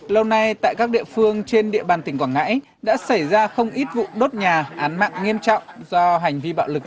lâu nay tại các địa phương trên địa bàn tỉnh quảng ngãi đã xảy ra không ít vụ đốt nhà án mạng nghiêm trọng do hành vi bạo lực gây ra